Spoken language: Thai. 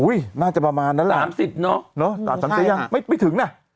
อุ๊ยน่าจะประมาณนั้นแหละนะต่างจาก๓๐ปียังไม่ถึงนะ